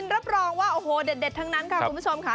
รับรองว่าโอ้โหเด็ดทั้งนั้นค่ะคุณผู้ชมค่ะ